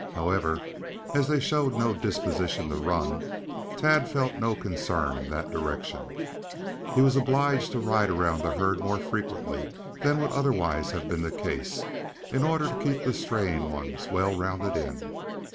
However, as they showed no disposition to run, Tad felt no concern in that direction. He was obliged to ride around the herd more frequently than would otherwise have been the case, in order to keep the straying ones well rounded in.